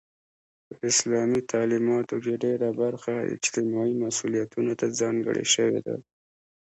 په اسلامي تعلیماتو کې ډيره برخه اجتماعي مسئولیتونو ته ځانګړې شوی ده.